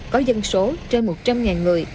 có dân số trên một trăm linh người